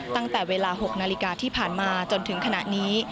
ตั้งแต่เวลา๖นาฬิกาที่ผ่านมาจนถึงขณะนี้